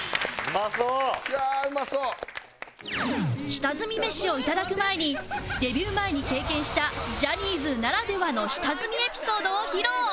下積みメシをいただく前にデビュー前に経験したジャニーズならではの下積みエピソードを披露